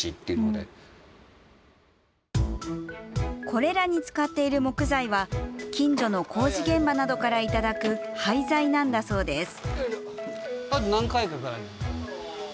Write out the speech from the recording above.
これらに使っている木材は近所の工事現場などからいただく廃材なんだそうです。